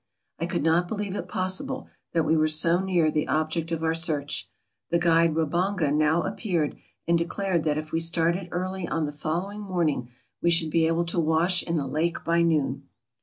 I could not believe it possible that we were so near the object of our search. The guide Rabonga now appeared, and declared that if we started early on the following morning we should be able to wash in the lake by noon